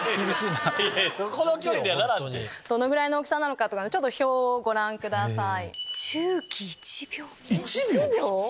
どのぐらいの大きさなのかちょっと表をご覧ください。